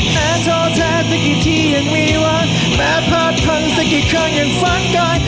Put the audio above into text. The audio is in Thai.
แม้ท้อแท้เมื่อกี้ที่ยังไม่วันแม้พัดพังใส่กี่ครั้งอย่างฝันกาย